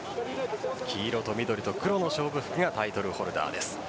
黄色と緑と黒の勝負服がタイトルホルダーです。